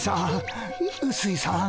うすいさん。